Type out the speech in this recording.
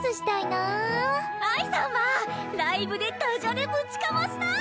愛さんはライブでダジャレぶちかましたい！